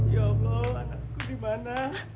ya allah anakku dimana